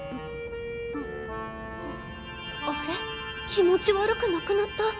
気持ち悪くなくなった。